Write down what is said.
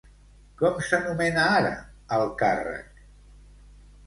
Com s'anomena ara el càrrec?